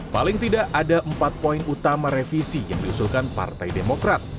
paling tidak ada empat poin utama revisi yang diusulkan partai demokrat